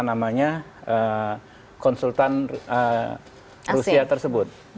namanya konsultan rusia tersebut